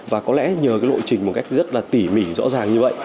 và có lẽ nhờ cái lộ trình một cách rất là tỉ mỉ rõ ràng như vậy